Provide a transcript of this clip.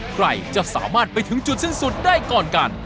ใครจะสามารถไปถึงจุดสิ้นสุดได้ก่อนกัน